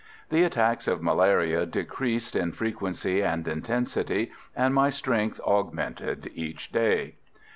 The attacks of malaria decreased in frequency and intensity, and my strength augmented each day.